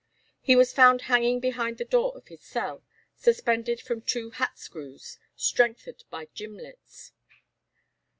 He was found hanging behind the door of his cell, suspended from two hat screws, strengthened by gimlets.